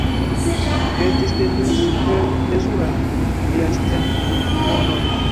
Vi petis de mi supermezuran reaĉetmonon.